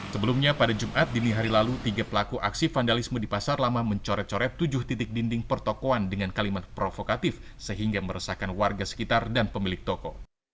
sebelumnya pada jumat dini hari lalu tiga pelaku aksi vandalisme di pasar lama mencoret coret tujuh titik dinding pertokohan dengan kalimat provokatif sehingga meresahkan warga sekitar dan pemilik toko